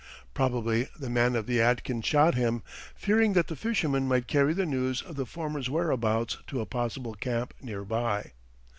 Probably the man of the Yadkin shot him, fearing that the fisherman might carry the news of the former's whereabouts to a possible camp near by.